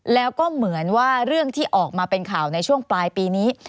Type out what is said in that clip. แล้วก็เหมือนว่าเรื่องที่ออกมาเป็นข่าวในช่วงปลายปีนี้